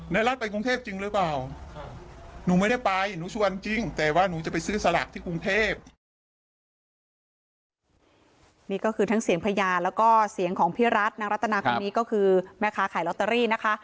แนะรัฐไปกรุงเทพฯจริงหรือเปล่า